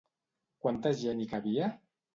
Quanta gent hi cabia?